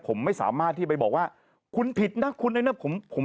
ผมไม่สามารถที่ไปบอกว่าคุณผิดนะคุณไอ้นะผมผม